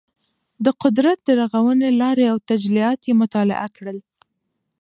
د قدرت د رغونې لارې او تجلیات یې مطالعه کړل.